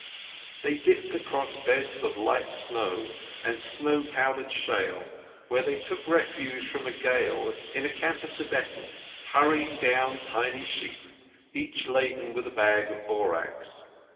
They dipped across beds of light snow and snow powdered shale, where they took refuge from a gale in a camp of Tibetans hurrying down tiny sheep, each laden with a bag of borax.